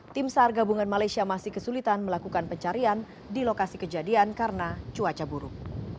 tim sar gabungan malaysia masih kesulitan melakukan pencarian di lokasi kejadian karena cuaca buruk